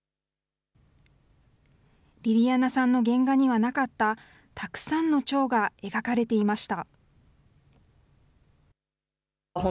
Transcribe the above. りりあなさんの原画にはなかった、たくさんのチョウが描かれていました。